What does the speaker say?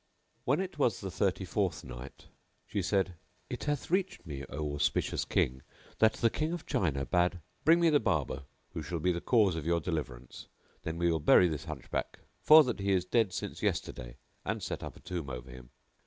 When it was the Thirty fourth Night, She said, It hath reached me, O auspicious King, that the King of China bade, "Bring me the Barber who shall be the cause of your deliverance; then we will bury this Hunchback, for that he is dead since yesterday and set up a tomb over him."